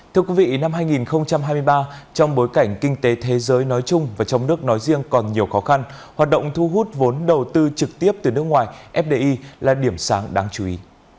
thưa quý vị năm hai nghìn hai mươi ba trong bối cảnh kinh tế thế giới nói chung và trong nước nói riêng còn nhiều khó khăn hoạt động thu hút vốn đầu tư trực tiếp từ nước ngoài fdi là điểm sáng đáng chú ý